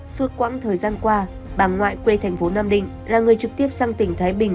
suốt quãng thời gian qua bà ngoại quê thành phố nam định là người trực tiếp sang tỉnh thái bình